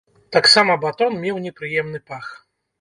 Таксама батон меў непрыемны пах.